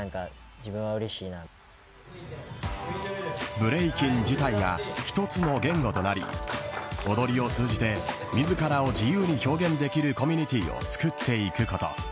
ブレイキン自体が一つの言語となり踊りを通じて自らを自由に表現できるコミュニティーを作っていくこと。